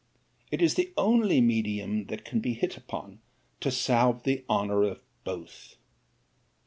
It is the only medium that can be hit upon to salve the honour of both.